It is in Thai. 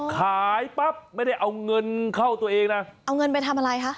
ขายปั๊บไม่ได้เอาเงินเข้าตัวเองนะเอาเงินไปทำอะไรคะ